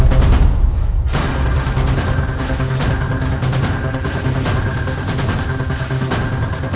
ketika erebenza menanggeng ibu radha